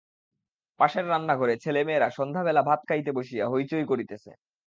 পাশের রান্নাঘরে ছেলেমেয়েরা সন্ধ্যাবেলা ভাত খাইতে বসিয়া হৈ চৈ করিতেছে।